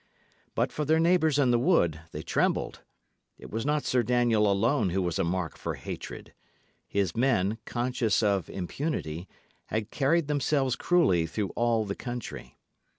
But for their neighbours in the wood, they trembled. It was not Sir Daniel alone who was a mark for hatred. His men, conscious of impunity, had carried themselves cruelly through all the country.